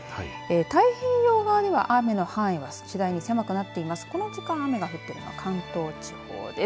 太平洋側では雨の範囲は次第に狭くなっています。